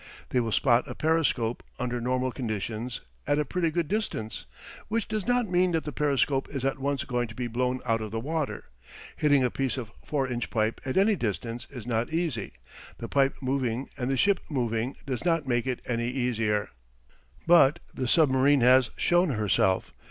They will spot a periscope, under normal conditions, at a pretty good distance; which does not mean that that periscope is at once going to be blown out of the water. Hitting a piece of 4 inch pipe at any distance is not easy; the pipe moving and the ship moving does not make it any easier. But the submarine has shown herself.